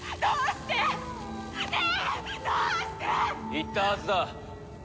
言ったはずだ。